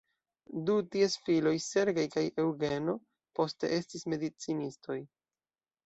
Du ties filoj "Sergej" kaj "Eŭgeno" poste estis medicinistoj.